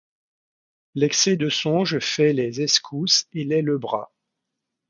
L'excès de songe fait les Escousse et les Lebras.